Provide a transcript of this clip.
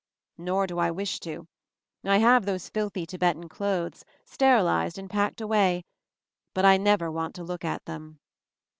Nor do I wish to. I have those filthy Tibetan clothes, sterilized and packed away, but I never want to look at them.